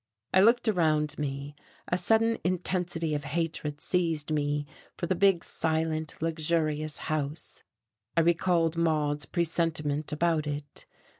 I looked around me, a sudden intensity of hatred seized me for this big, silent, luxurious house; I recalled Maude's presentiment about it.